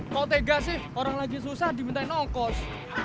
kok tega sih orang lagi susah diminta ongkos